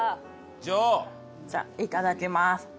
じゃあいただきます。